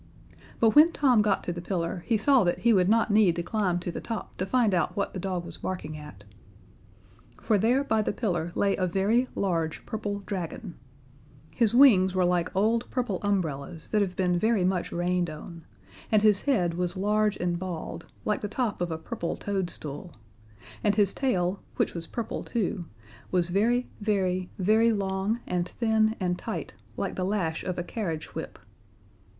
But when Tom got to the pillar, he saw that he would not need to climb to the top to find out what the dog was barking at. For there, by the pillar, lay a very large purple dragon. His wings were like old purple umbrellas that have been very much rained on, and his head was large and bald, like the top of a purple toadstool, and his tail, which was purple too, was very, very, very long and thin and tight, like the lash of a carriage whip.